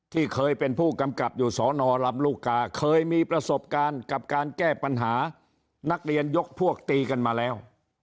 ที่เคยเป็นผู้กำกับอยู่สอนอลำลูกกาเคยมีประสบการณ์กับการแก้ปัญหานักเรียนยกพวกตีกันมาแล้ว